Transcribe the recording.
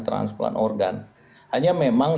transplantasi organ hanya memang